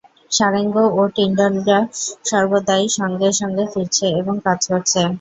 সারেঙ্গ ও টিণ্ডালরা সর্বদাই সঙ্গে সঙ্গে ফিরছে, এবং কাজ করছে।